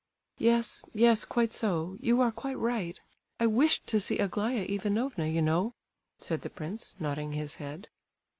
"Yes—yes, quite so; you are quite right. I wished to see Aglaya Ivanovna, you know!" said the prince, nodding his head.